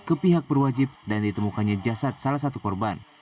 ke pihak berwajib dan ditemukannya jasad salah satu korban